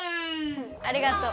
ありがとう。